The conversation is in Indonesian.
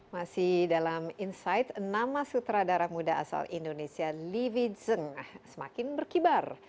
masih dalam insight nama sutradara muda asal indonesia livi zeng semakin berkibar